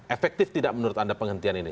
efektif tidak menurut anda penghentian ini